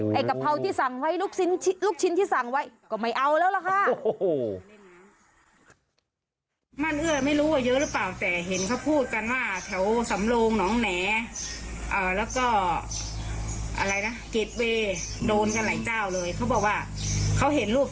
กะเพราที่สั่งไว้ลูกชิ้นลูกชิ้นที่สั่งไว้ก็ไม่เอาแล้วล่ะค่ะ